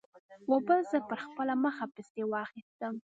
اوبو زه پر خپله مخه پسې واخیستم.